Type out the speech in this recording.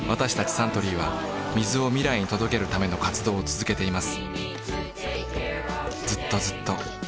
サントリーは水を未来に届けるための活動を続けています